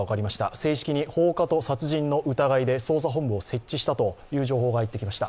正式に放火と殺人の疑いで捜査本部を設置したという情報が入ってきました。